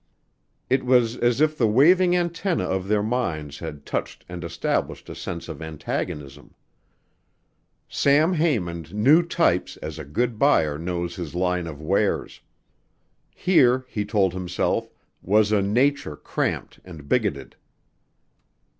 It was as if the waving antennae of their minds had touched and established a sense of antagonism. Sam Haymond knew types as a good buyer knows his line of wares. Here, he told himself, was a nature cramped and bigoted.